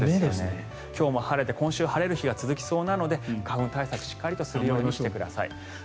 今日も晴れて今週、晴れる日が続きそうなので花粉対策しっかりするようにしてください。